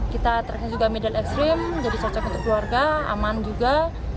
kita tracknya juga middle ekstrim jadi cocok untuk keluarga aman juga